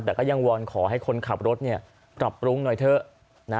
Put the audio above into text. แต่ก็ยังวอนขอให้คนขับรถปรับปรุงหน่อยเถอะ